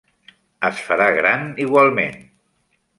Es farà gran igualment.